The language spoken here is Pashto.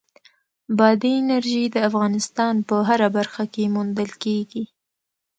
بادي انرژي د افغانستان په هره برخه کې موندل کېږي.